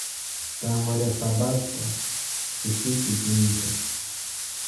Tangwa lia sambata kushi kuthumika.